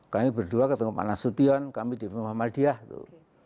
kami berdua ketemu panasution kami di pemahamadiyah gitu